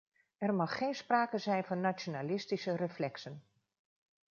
Er mag geen sprake zijn van nationalistische reflexen.